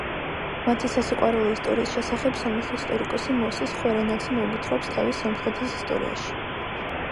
მათი სასიყვარულო ისტორიის შესახებ სომეხი ისტორიკოსი მოვსეს ხორენაცი მოგვითხრობს თავის „სომხეთის ისტორიაში“.